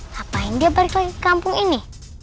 ngapain dia balik lagi ke kampung ini